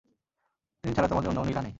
তিনি ছাড়া তোমাদের অন্য কোন ইলাহ্ নেই।